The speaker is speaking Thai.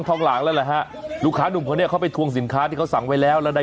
โอ้โหได้แผลไปเลยล่ะ